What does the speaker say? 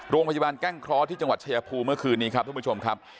แกล้งเคราะห์ที่จังหวัดชายภูมิเมื่อคืนนี้ครับทุกผู้ชมครับ